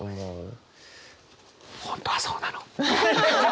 本当はそうなの。